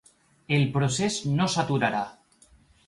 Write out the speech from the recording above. El procés no s’aturarà.